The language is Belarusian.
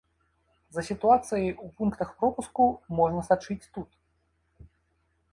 За сітуацыяй у пунктах пропуску можна сачыць тут.